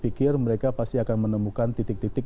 saya pikir mereka pasti akan menemukan titik titik